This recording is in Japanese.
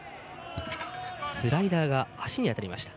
スライダーが足に当たりました。